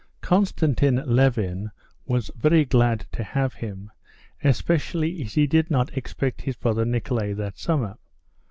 Konstantin Levin was very glad to have him, especially as he did not expect his brother Nikolay that summer.